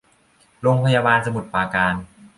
โรงพยาบาลสมุทรปราการ